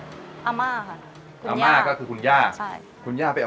อาม่าค่ะอาม่าก็คือคุณย่าใช่คุณย่าไปเอา